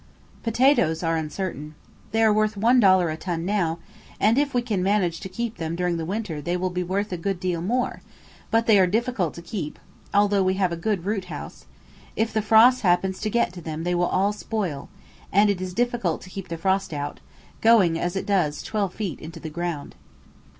Potatoes are uncertain. They are worth one dollar a ton now, and if we can manage to keep them during the winter they will be worth a good deal more; but they are difficult to keep, although we have a good root house; If the frost happens to get to them they will all spoil; and it is difficult to keep the frost out, going as it does twelve feet into the ground.